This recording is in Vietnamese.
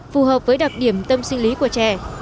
phù hợp với đặc điểm tâm sinh lý của trẻ